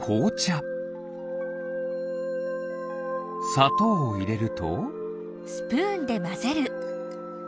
さとうをいれると。